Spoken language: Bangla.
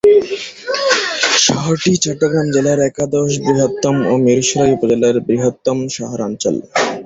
শহরটি চট্টগ্রাম জেলার একাদশ বৃহত্তম ও মীরসরাই উপজেলার বৃহত্তম শহরাঞ্চল।